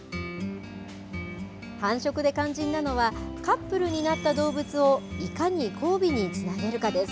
繁殖で肝心なのはカップルになった動物をいかに交尾につなげるかです。